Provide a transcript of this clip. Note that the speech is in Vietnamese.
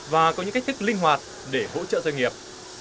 và có những cách thức linh hoạt để hỗ trợ doanh nghiệp